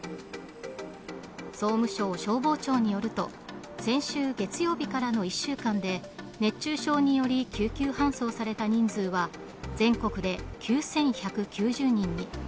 総務省消防庁によると先週月曜日からの１週間で熱中症により救急搬送された人数は全国で９１９０人に。